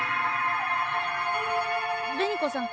紅子さん